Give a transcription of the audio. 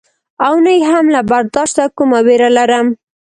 او نه یې هم له برداشته کومه وېره لرم.